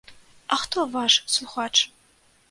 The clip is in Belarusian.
А хто ваш слухач?